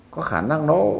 có khả năng nó